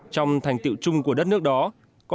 trong thành tiệu chung của đất nước đó